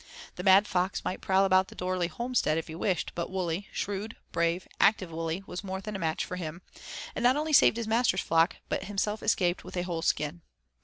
The Mad Fox might prowl about the Dorley homestead if he wished, but Wully, shrewd, brave, active Wully was more than a match for him, and not only saved his master's flock, but himself escaped with a whole skin.